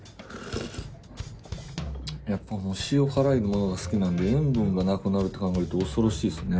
やっぱもう塩辛いものが好きなので塩分がなくなるって考えると恐ろしいですね。